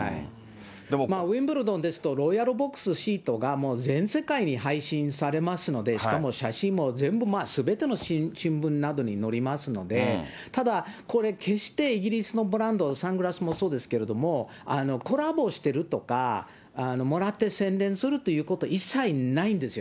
ウィンブルドンですと、ロイヤルボックスシートが全世界に配信されますので、しかも写真も全部、すべての新聞などに載りますので、ただこれ、決してイギリスのブランド、サングラスもそうですけれども、コラボしてるとか、もらって宣伝するということは一切ないんですよ。